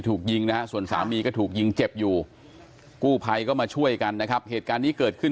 ถูกยิงนะฮะส่วนสามีก็ถูกยิงเจ็บอยู่กู้ภัยก็มาช่วยกันนะครับเหตุการณ์นี้เกิดขึ้น